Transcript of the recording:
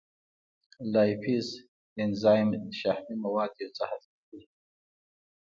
لایپیز انزایم شحمي مواد یو څه هضم کړي.